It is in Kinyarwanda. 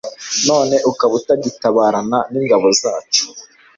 none ukaba utagitabarana n’ingabo zacu